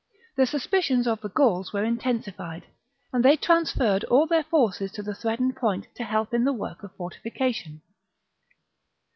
The suspicions of the Gauls were intensified ; and they transferred all their forces to the threatened point to help in the work of fortification.